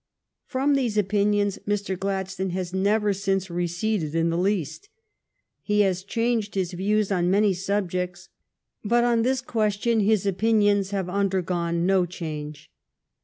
From these opinions Mr. Gladstone has never since receded in the least. He has changed his views on many subjects, but on this question his opin ions have undergone no change.